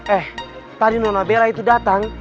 eh tadi nona bella itu datang